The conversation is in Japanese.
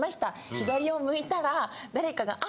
左を向いたら誰かがあ！